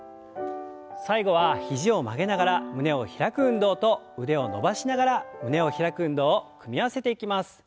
最後は肘を曲げながら胸を開く運動と腕を伸ばしながら胸を開く運動を組み合わせていきます。